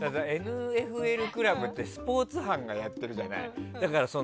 ＮＦＬクラブってスポーツ班がやってるじゃない。